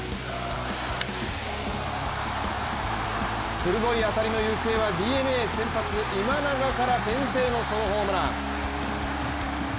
鋭い当たりの行方はＤｅＮＡ先発・今永から先制のソロホームラン。